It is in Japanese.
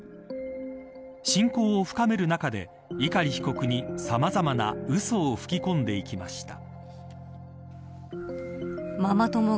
親交を深める中で碇被告にさまざまなうそを吹き込んでいきました。